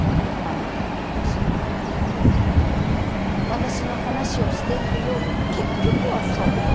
私の話をしているようでも結局はそう。